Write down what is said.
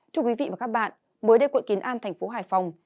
thưa quý vị và các bạn mới đây quận kiến an thành phố hải phòng